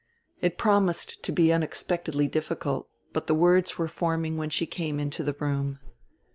It promised to be unexpectedly difficult; but the words were forming when she came into the room.